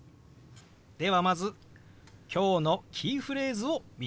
ではまず今日のキーフレーズを見てみましょう。